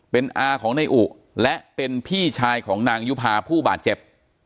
เป็นอาของในอุและเป็นพี่ชายของนางยุภาผู้บาดเจ็บ